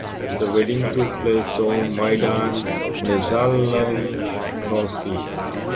The wedding took place on Maidan Nezalezhnosti.